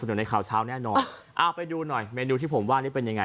ในข่าวเช้าแน่นอนเอาไปดูหน่อยเมนูที่ผมว่านี่เป็นยังไง